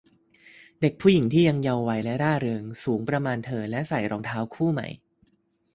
เด็กผู้หญิงที่ยังเยาว์วัยและร่าเริง สูงประมาณเธอ และใส่รองเท้าคู่ใหม่